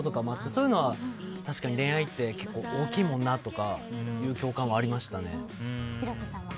そういうのは確かに恋愛って結構大きいもんなとかっていう共感はありましたね。